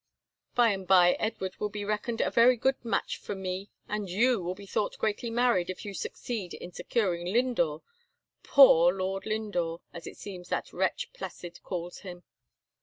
By and bye Edward will be reckoned a very good match for _me,_and you will be thought greatly married if you succeed in securing Lindore poor Lord Lindore, as it seems that wretch Placid calls him."